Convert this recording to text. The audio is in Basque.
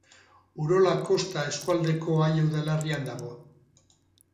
Urola Kosta eskualdeko Aia udalerrian dago.